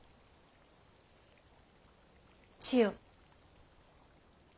千代。